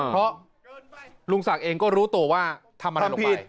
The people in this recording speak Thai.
เพราะลุงศักดิ์เองก็รู้ตัวว่าทำอะไรลงไป